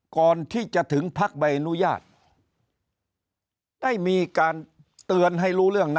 ก่อนที่จะถึงพักใบอนุญาตได้มีการเตือนให้รู้เรื่องนะ